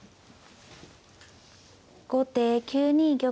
後手９二玉。